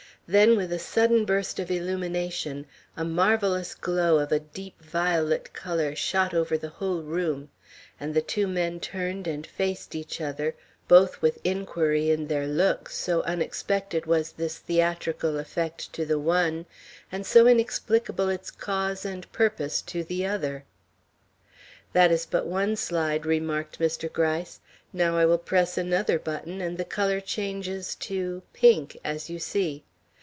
Then with a sudden burst of illumination, a marvellous glow of a deep violet color shot over the whole room, and the two men turned and faced each other both with inquiry in their looks, so unexpected was this theatrical effect to the one, and so inexplicable its cause and purpose to the other. "That is but one slide," remarked Mr. Gryce. "Now I will press another button, and the color changes to pink, as you see.